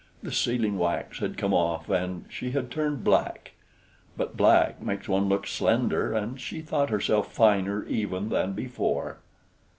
The sealing wax had come off, and she had turned black; but black makes one look slender, and she thought herself finer even than before.